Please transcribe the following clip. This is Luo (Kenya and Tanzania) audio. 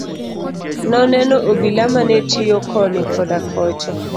Noneno obila mane tiyo koni koda kocha.